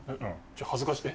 恥ずかしい。